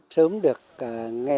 sớm được nghe các anh các chị hát ví